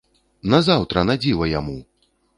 Назаўтра на дзіва яму!